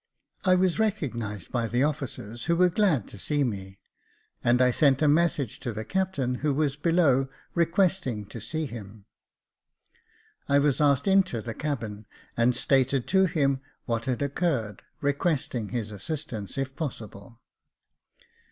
I was recognised by the officers, who were glad to see me, and I sent a message to the captain, who was below, requesting to see hipi. I was asked into the cabin, and stated to him what had occurred, requesting his assistance, if possible.